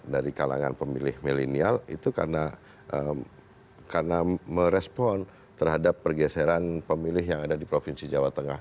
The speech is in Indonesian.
jadi kalau kita lihat di kalangan pemilih milenial itu karena merespon terhadap pergeseran pemilih yang ada di provinsi jawa tengah